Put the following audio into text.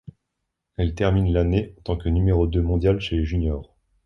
Elle termine l'année en tant que numéro deux mondiale chez les juniors.